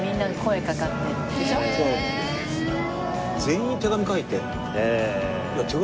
全員に手紙書いて。